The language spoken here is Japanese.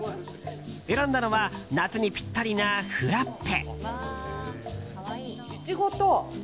選んだのは夏にぴったりなフラッペ。